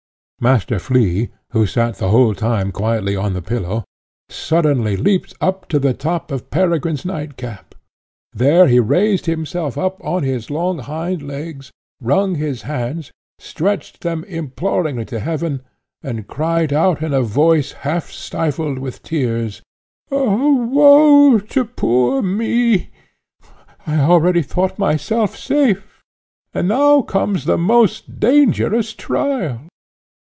Master Flea, who sate the whole time quietly on the pillow, suddenly leaped up to the top of Peregrine's nightcap. There he raised himself up on his long hind legs, wrung his hands, stretched them imploringly to Heaven, and cried out in a voice half stifled with tears, "Woe to poor me! I already thought myself safe, and now comes the most dangerous trial.